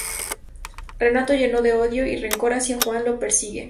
Renato, lleno de odio y rencor hacia Juan lo persigue.